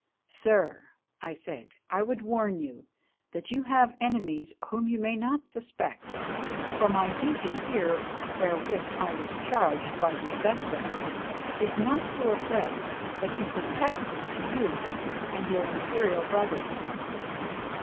"Sir," I said, "I would warn you that you have enemies whom you may not suspect, for my duty here wherewith I was charged by the Augusta is not to oppress but to protect you and your imperial brothers."